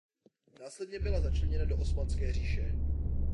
Následně byla začleněna do Osmanské říše.